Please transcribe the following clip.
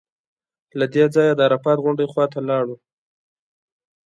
له دې ځایه د عرفات غونډۍ خوا ته لاړو.